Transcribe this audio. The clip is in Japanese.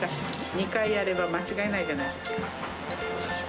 ２回やったら間違えないじゃないですか。